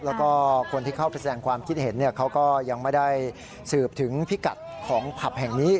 แล้วก็คนที่เข้าไปแสดงความคิดเห็นเขาก็ยังไม่ได้สืบถึงพิกัดของผับแห่งนี้